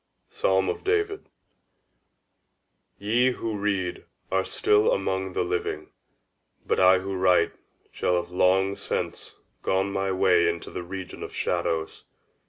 _ —Psalm of David. Ye who read are still among the living; but I who write shall have long since gone my way into the region of shadows.